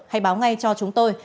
hãy báo ngay cho chúng tôi